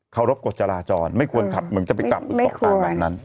เครบกฎจราจรไม่ควรขับเหมือนจะไปกลับไม่ควรอันนั้น